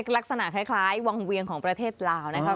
ลักษณะคล้ายวังเวียงของประเทศลาวนะครับ